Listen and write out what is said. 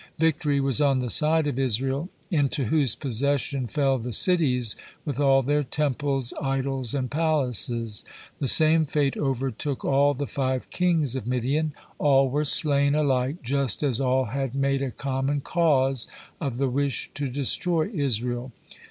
Victory was on the side of Israel, into whose possession fell the cities with all their temples, idols, and palaces. The same fate overtook all the five kings of Midian. All were slain alike just as all had made a common cause of the wish to destroy Israel.